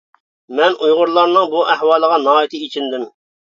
مەن ئۇيغۇرلارنىڭ بۇ ئەھۋالىغا ناھايىتى ئېچىندىم.